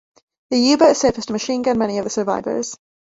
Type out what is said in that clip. The U-boat surfaced and machine-gunned many of the survivors.